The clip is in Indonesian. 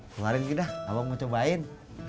kemarin gitu dah abang mau cobain